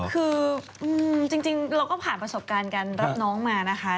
คือจริงเราก็ผ่านประสบการณ์การรับน้องมานะคะ